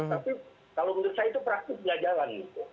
tapi kalau menurut saya itu praktis nggak jalan